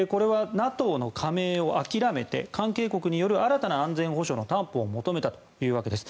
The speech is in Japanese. これはＮＡＴＯの加盟を諦めて関係国による新たな安全の担保を求めたということです。